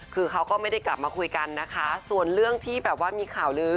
คือเขาก็ไม่ได้กลับมาคุยกันนะคะส่วนเรื่องที่แบบว่ามีข่าวลื้อ